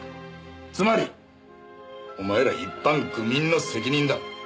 つまりお前ら一般愚民の責任だ。